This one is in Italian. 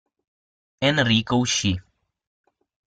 Enrico uscì.